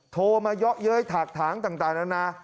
โทรมาเยอะเย้ยถากถางต่างนานา